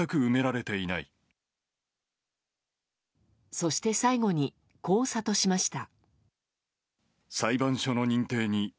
そして、最後にこう諭しました。